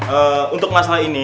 ee untuk masalah ini